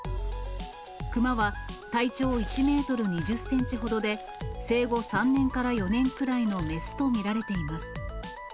クマは体長１メートル２０センチほどで、生後３年から４年くらいの雌と見られています。